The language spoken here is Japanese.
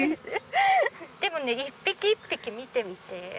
でもね一匹一匹見てみて。